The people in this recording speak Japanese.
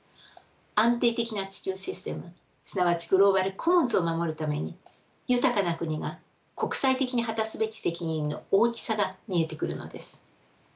安定的な地球システムすなわちグローバル・コモンズを守るために豊かな国が国際的に果たすべき責任の大きさが見えてくるのです。